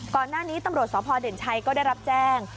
ก่อนหน้านี้ตำรวจสพเด่นชัยก็ได้รับแจ้ง